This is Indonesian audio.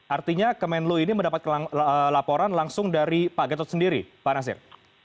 artinya kemenlu ini mendapat laporan langsung dari pak gatot sendiri pak nasir